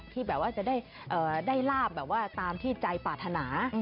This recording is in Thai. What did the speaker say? ที่จะได้ราบตามที่ใจปรารถนา